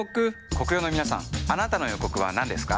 コクヨの皆さんあなたのヨコクは何ですか？